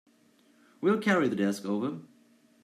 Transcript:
We'll carry the desk over.